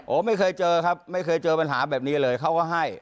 ไม่เคยเจอครับไม่เคยเจอปัญหาแบบนี้เลยเขาก็ให้